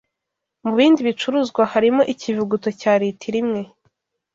Mu bindi bicuruzwa harimo Ikivuguto cya litiro imwe,